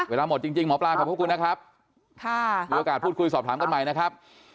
เวลาหมดจริงหมอปลาขอบพระคุณนะครับมีโอกาสพูดคุยสอบถามกันใหม่นะครับ